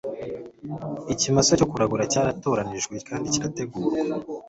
ikimasa cyo kuragura cyatoranijwe kandi kirategurwa